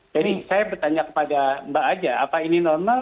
jadi saya bertanya kepada mbak aja apa ini normal